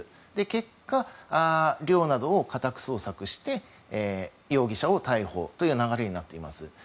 結果、寮などを家宅捜索して容疑者を逮捕という流れになっています。